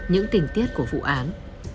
những tình tiết của vụ án